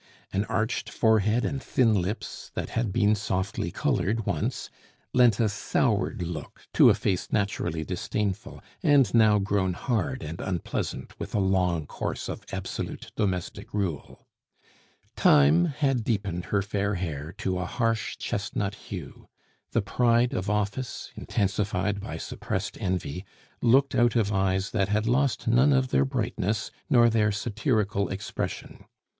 An arched forehead and thin lips, that had been softly colored once, lent a soured look to a face naturally disdainful, and now grown hard and unpleasant with a long course of absolute domestic rule. Time had deepened her fair hair to a harsh chestnut hue; the pride of office, intensified by suppressed envy, looked out of eyes that had lost none of their brightness nor their satirical expression.